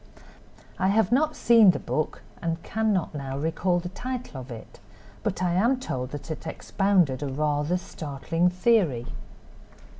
I have not seen the book and cannot now recall the title of it, but I am told that it expounded a rather startling theory.